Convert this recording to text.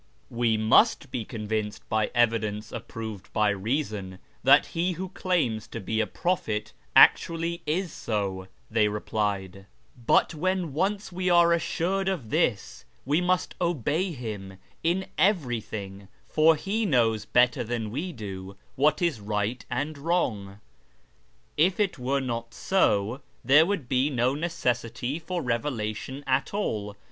" We must be convinced by evidence approved by reason that he who claims to be a prophet actually is so," they replied ;" but when once we are assured of this, we must obey him in everything, for he knows better than we do what is right and wrong. If it were not so, there would be no necessity for revelation at all.